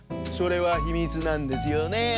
それはひみつなんですよね